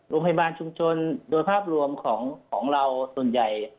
โรงพยาบาลชุมชนโดยภาพรวมของเราส่วนใหญ่